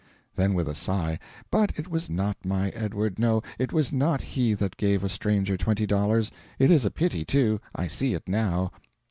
Then, with a sigh "But it was not my Edward; no, it was not he that gave a stranger twenty dollars. It is a pity too; I see it now...."